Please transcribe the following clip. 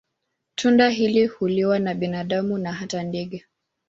Tunda hili huliwa na binadamu na hata ndege.